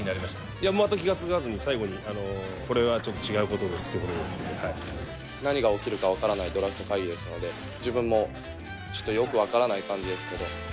いや、全く気が付かずに最後に、何が起きるか分からないドラフト会議ですので、自分もちょっとよく分からない感じですけど。